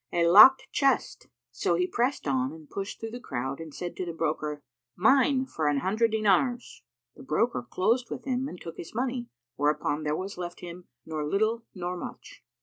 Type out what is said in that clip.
A locked chest!" So he pressed on and pushed through the crowd and said to the broker, "Mine for an hundred dinars!" The broker closed with him and took his money, whereupon there was left him nor little nor much.